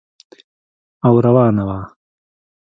او روانه وه.